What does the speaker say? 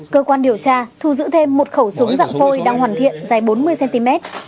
cơ quan điều tra thu giữ thêm một khẩu súng dạng khôi đăng hoàn thiện dài bốn mươi cm